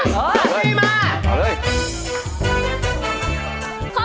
ขอฟิวมา